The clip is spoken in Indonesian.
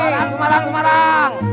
semarang semarang semarang